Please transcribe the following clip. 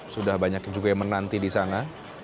sudah banyak juga yang menanti disana